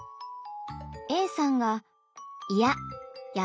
Ａさんが「いやっ！